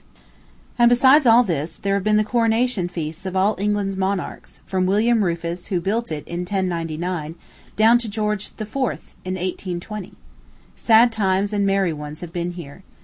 And besides all this, here have been the coronation feasts of all England's monarchs, from William Rufus, who built it in 1099, down to George IV., 1820. Sad times and merry ones have been here.